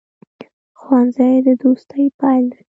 ښوونځی د دوستۍ پیل دی